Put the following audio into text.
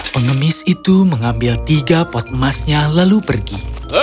pengemis itu mengambil tiga pot emasnya lalu pergi